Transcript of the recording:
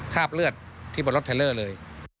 คราบเลือดที่บนรถเทลเลอร์เลย